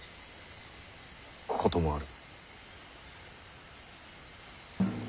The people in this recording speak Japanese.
こともある。